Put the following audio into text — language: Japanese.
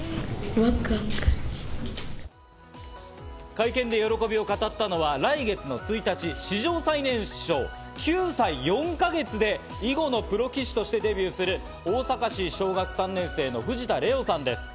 会見で喜びを語ったのは来月の１日、史上最年少９歳４か月で囲碁のプロ棋士としてデビューする大阪市・小学３年生の藤田怜央さんです。